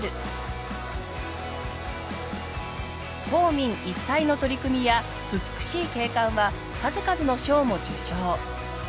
公民一体の取り組みや美しい景観は数々の賞も受賞。